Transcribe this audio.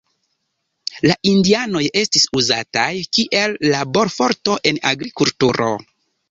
La indianoj estis uzataj kiel laborforto en agrikulturo.